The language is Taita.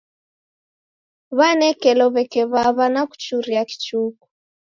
W'anekelo w'eke w'aw'a na kuchuria kichuku.